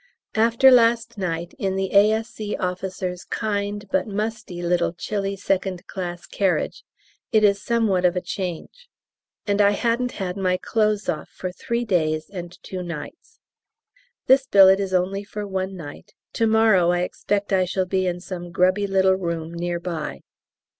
After last night, in the A.S.C officer's kind but musty little chilly second class carriage, it is somewhat of a change. And I hadn't had my clothes off for three days and two nights. This billet is only for one night; to morrow I expect I shall be in some grubby little room near by.